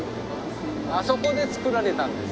あそこで造られたんです。